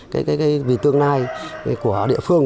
cái tương lai của địa phương